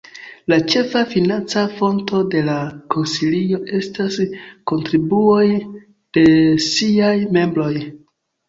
La ĉefa financa fonto de la Konsilio estas kontribuoj de siaj membroj.